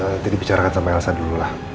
nanti dibicarakan sama elsa dulu lah